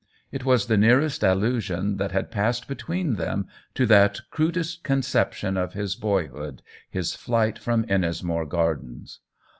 It was the nearest allusion that had passed between them to that crud est conception of his boyhood, his flight from Ennismore Gardens.